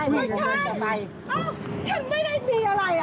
โหฉันไม่ได้มีอะไรอะ